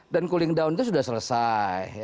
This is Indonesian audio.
dan cooling down itu sudah selesai